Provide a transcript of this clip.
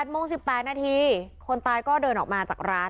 โมง๑๘นาทีคนตายก็เดินออกมาจากร้าน